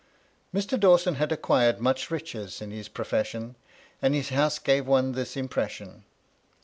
Mr. Dawson had acquired much riches in his pro fession, and his house gave one this impres^on.